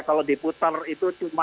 kalau diputar itu cuma